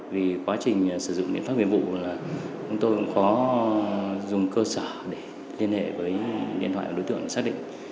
vì quá trình sử dụng biện pháp viện vụ là chúng tôi cũng khó dùng cơ sở để liên hệ với điện thoại của đối tượng xác định